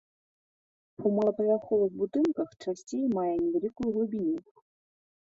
У малапавярховых будынках часцей мае невялікую глыбіню.